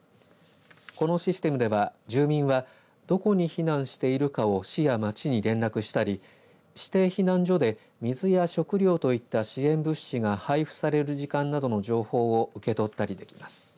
このシステムでは住民はどこに避難しているかを市や町に連絡したり指定避難所で水や食料といった支援物資が配布される時間などの情報を受け取ったりできます。